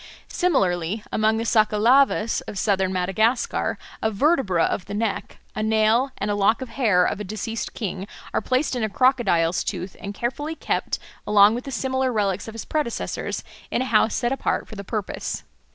Similarly among the Sakalavas of southern Madagascar a vertebra of the neck, a nail, and a lock of hair of a deceased king are placed in a crocodile's tooth and carefully kept along with the similar relics of his predecessors in a house set apart for the purpose.